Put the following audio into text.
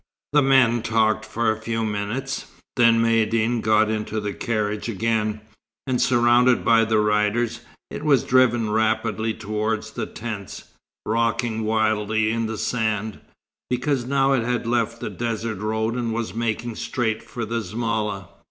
The men talked for a few minutes; then Maïeddine got into the carriage again; and surrounded by the riders, it was driven rapidly towards the tents, rocking wildly in the sand, because now it had left the desert road and was making straight for the zmala.